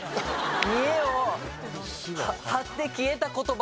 見栄を張って消えた言葉。